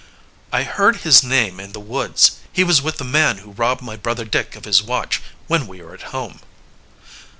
"I heard his name in the woods. He was with the man who robbed my brother Dick of his watch, when we were at home."